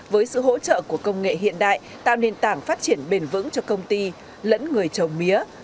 với sự hỗ trợ của công nghệ hiện đại tạo nền tảng phát triển bền vững cho công ty lẫn người trồng mía